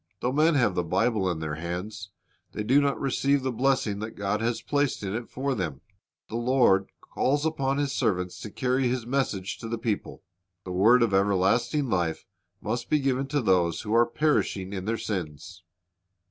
Though men have the Bible in their hands, they do not receive the blessing that God has placed in it for them. The Lord calls upon His servants to carry His message to the people. 1 Matt. 24 : 37 39 2 Rev. 14 : 6 ^' G o into the H i ghiv ay s'^ 229 The word of everlasting life must be given to those who are perishing in their sins.